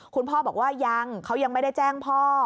คุณพ่อบอกว่ายังเขายังไม่ได้แจ้งพ่อ